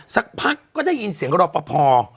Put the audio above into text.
สักพักก็ได้ยินเสียงหลอกประพอ